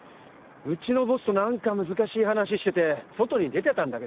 うちのボスとなんか難しい話してて外に出てたんだけどね。